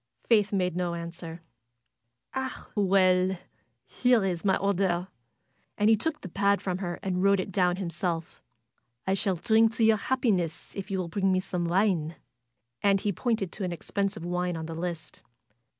Faith made no answer. "Ah, well! Here's my order!" And he took the pad from her and wrote it down himself. "I shall drink to your happiness if you will bring me some wine." And he pointed to an expensive wine on the list.